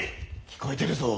聞こえてるぞ。